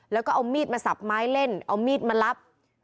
แล้วก็เอามีดมาสับไม้เล่นเอามีดมารับ